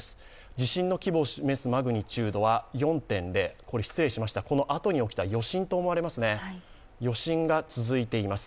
地震の規模を示すマグニチュードは４．０失礼しました、このあとに起きた余震と思われますね、余震が続いています。